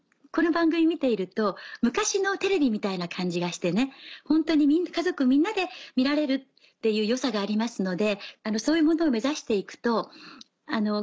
この番組見ていると昔のテレビみたいな感じがしてホントに家族みんなで見られるっていう良さがありますのでそういうものを目指して行くと解答者１２人いましたけども